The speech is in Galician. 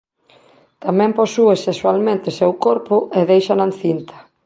Tamén posúe sexualmente seu corpo e déixana encinta.